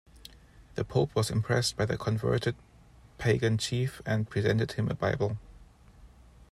The Pope was impressed by the converted pagan chief and presented him a Bible.